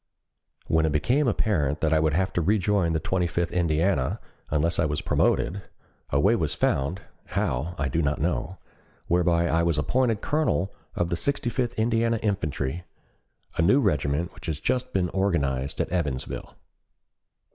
When it became apparent that I would have to rejoin the Twenty fifth Indiana unless I was promoted, a way was found (how I do not know) whereby I was appointed colonel of the Sixty fifth Indiana Infantry, a new regiment which had just been organized at Evansville.